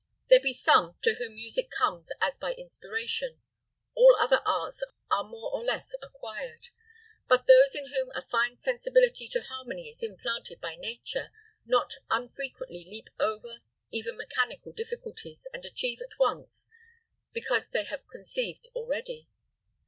There be some to whom music comes as by inspiration. All other arts are more or less acquired. But those in whom a fine sensibility to harmony is implanted by Nature, not unfrequently leap over even mechanical difficulties, and achieve at once, because they have conceived already.